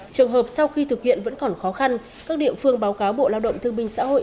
trường hợp sau khi thực hiện vẫn còn khó khăn các địa phương báo cáo bộ lao động thương binh xã hội